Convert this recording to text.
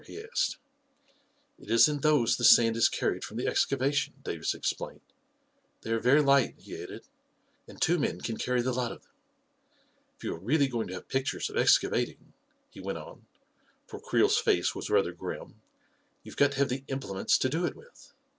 he asked. " It is in those the sand is carried from the exca vation," Davis explained. " They are very light," he added, " and two men can carry the lot of them. If you are really going to have pictures of excavat ing," he went on, for Creel's face was rather grim, 11 you've got to have the implements to do it with."